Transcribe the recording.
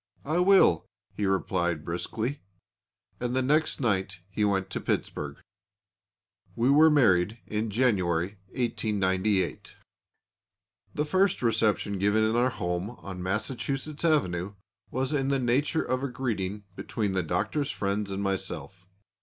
'I will,' he replied briskly and the next night he went to Pittsburg." We were married in January, 1898. The first reception given in our home on Massachusetts Avenue was in the nature of a greeting between the Doctor's friends and myself.